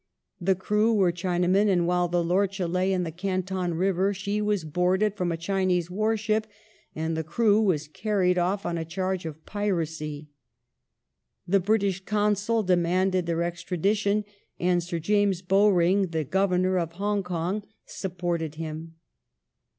The crew were Chinamen, and while the lorcha lay in the Canton river she was boarded from a Chinese warship, and the crew were carried off* on a charge of piracy. The British Consul demanded their extradition, and Sir John Bowring, the Governor of Hong Kong, supported him.